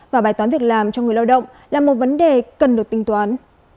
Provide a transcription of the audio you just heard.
và bài toán việc làm cho người lao động là một vấn đề cần được tính toán